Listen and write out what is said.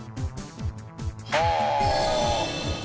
はあ！